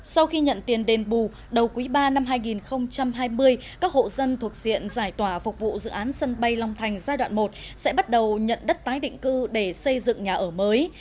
sau khi nhận tiền đền bù đầu quý ba năm hai nghìn hai mươi các hộ dân thuộc diện giải tỏa phục vụ dự án sân bay long thành giai đoạn một sẽ bắt đầu nhận đất tái định cư để xây dựng nhà ở mới